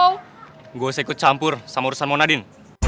gue harus ikut campur sama urusan mona din